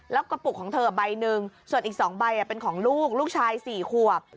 แล้วกระปุกของเธอใบหนึ่งส่วนอีก๒ใบเป็นของลูกลูกชาย๔ขวบ